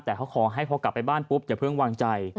แต่เขาขอให้พอกลับไปบ้านปุ๊บอย่าเพิ่งวางใจ